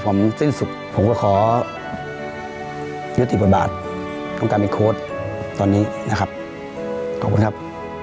โปรดติดตามตอนต่อไป